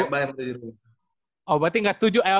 banyak banget yang perlu dirubah